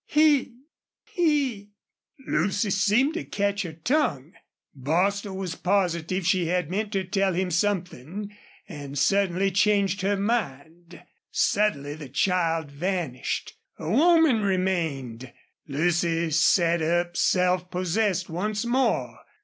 "He he " Lucy seemed to catch her tongue. Bostil was positive she had meant to tell him something and suddenly changed her mind. Subtly the child vanished a woman remained. Lucy sat up self possessed once more.